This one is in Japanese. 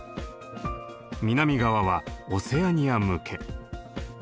南側はオセアニア向け。